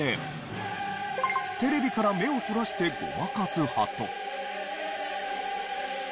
テレビから目をそらしてごまかす派と。